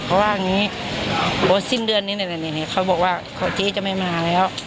เพราะว่าสิ้นเดือนนี้เขาบอกว่าจี้จะไม่มาแล้ว